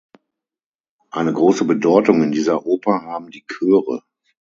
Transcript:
Eine große Bedeutung in dieser Oper haben die Chöre.